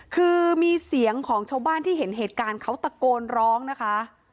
คือมีเสียงของชาวบ้านที่เห็นเหตุการณ์เขาตะโกนร้องนะคะ